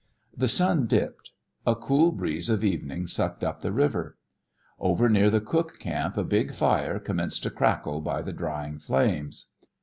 The sun dipped. A cool breeze of evening sucked up the river. Over near the cook camp a big fire commenced to crackle by the drying frames.